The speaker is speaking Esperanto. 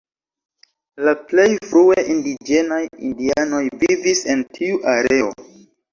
La plej frue indiĝenaj indianoj vivis en tiu areo.